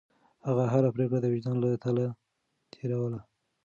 هغه هره پرېکړه د وجدان له تله تېروله.